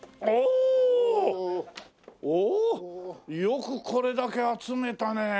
おおよくこれだけ集めたね。